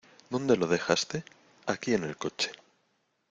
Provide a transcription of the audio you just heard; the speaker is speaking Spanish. ¿ Dónde lo dejaste? Aquí, en el coche.